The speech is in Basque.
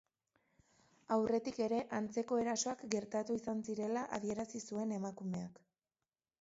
Aurretik ere antzeko erasoak gertatu izan zirela adierazi zuen emakumeak.